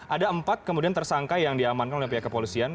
ada empat kemudian tersangka yang diamankan oleh pihak kepolisian